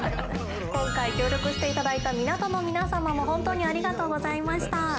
今回協力して頂いた港の皆様も本当にありがとうございました。